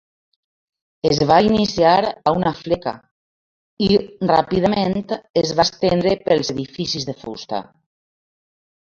Es va iniciar a una fleca i ràpidament es va estendre pels edificis de fusta.